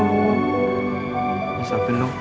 udah dimakan dulu